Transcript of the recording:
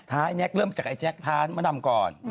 แน็กเริ่มจากไอ้แจ๊คท้านมะดำก่อน